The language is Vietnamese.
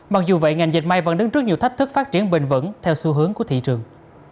mặc dù vậy ngành dệt may vẫn đứng trước nhiều thách thức phát triển bình vẩn theo xu hướng của thị trường